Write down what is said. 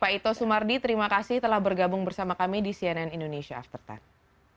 pak ito sumardi terima kasih telah bergabung bersama kami di cnn indonesia after sepuluh